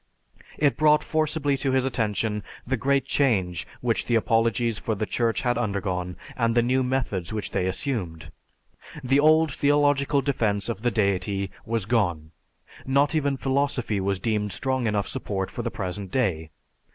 It brought forcibly to his attention the great change which the apologies for the Church had undergone, and the new methods which they assumed. The old theological defense of the deity was gone; not even philosophy was deemed strong enough support for the present day.